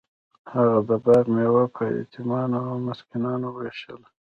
هغه د باغ میوه په یتیمانو او مسکینانو ویشله.